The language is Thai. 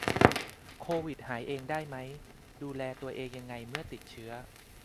โควิดหายเองได้ไหม ดูแลตัวเองยังไงเมื่อติดเชื้อ